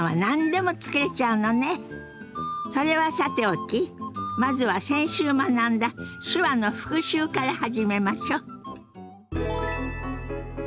それはさておきまずは先週学んだ手話の復習から始めましょ。